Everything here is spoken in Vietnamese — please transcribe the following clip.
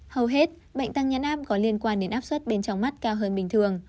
hầu hết bệnh tăng nhân áp có liên quan đến áp suất bên trong mắt cao hơn bình thường